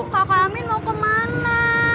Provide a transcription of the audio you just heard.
kakak amin mau ke mana